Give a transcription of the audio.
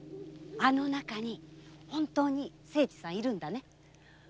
あの中に本当に清次さん居るんだね？